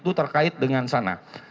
itu terkait dengan sana